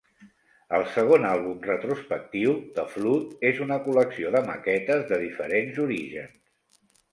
El segon àlbum retrospectiu, "The Flood", és una col·lecció de maquetes de diferents orígens.